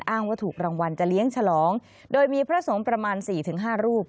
ว่าถูกรางวัลจะเลี้ยงฉลองโดยมีพระสงฆ์ประมาณ๔๕รูป